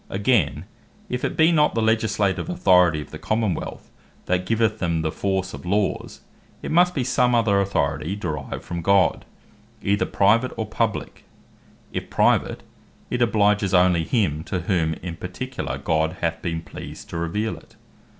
Again, if it be not the Legislative Authority of the Common wealth, that giveth them the force of Laws, it must bee some other Authority derived from God, either private, or publique: if private, it obliges onely him, to whom in particular God hath been pleased to reveale it.